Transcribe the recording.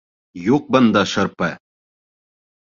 Юҡ бында шырпы!